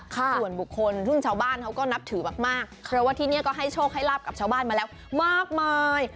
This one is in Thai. ส่วนบุคคลซึ่งชาวบ้านเขาก็นับถือมากเพราะว่าที่นี่ก็ให้โชคให้ลาบกับชาวบ้านมาแล้วมากมาย